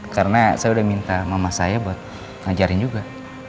karena saya udah minta mama saya buat ngajarin juga